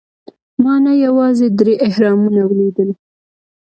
ما نه یوازې درې اهرامونه ولیدل.